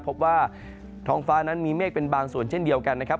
พบว่าท้องฟ้านั้นมีเมฆเป็นบางส่วนเช่นเดียวกันนะครับ